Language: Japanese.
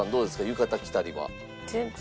浴衣着たりは。